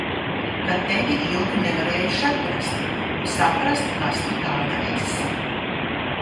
Ka tevi ilgi nevarējuši atrast un saprast, kas tu tāda esi.